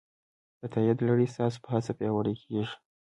د تایید لړۍ ستاسو په هڅه پیاوړې کېږي.